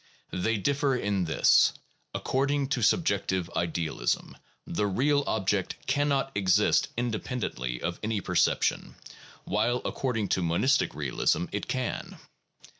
They differ in this: according to subjective idealism the real object cannot exist independently of any perception, while according to monistic realism it can.